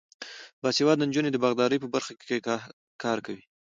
باسواده نجونې د باغدارۍ په برخه کې کار کوي.